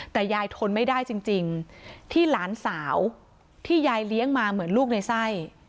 แต่ยายทนไม่ได้จริงที่หลานสาวที่ยายเลี้ยงมาเหมือนลูกในไส้